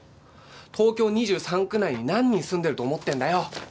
東京２３区内に何人住んでると思ってんだよ。